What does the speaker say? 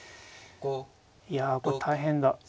いやこれ大変だ。